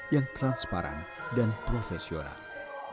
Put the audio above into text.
yang transparan dan profesional